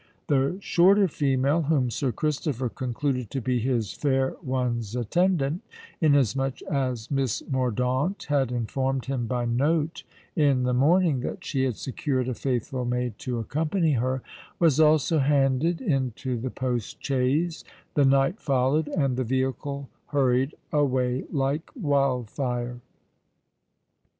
The shorter female, whom Sir Christopher concluded to be his fair one's attendant,—inasmuch as Miss Mordaunt had informed him by note in the morning that she had secured a faithful maid to accompany her,—was also handed into the post chaise: the knight followed—and the vehicle hurried away like wildfire.